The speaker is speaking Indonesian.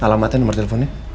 alamatnya nomer teleponnya